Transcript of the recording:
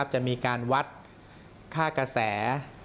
จะมีการวัดค่ากระแส